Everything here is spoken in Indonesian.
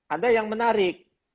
ada yang menarik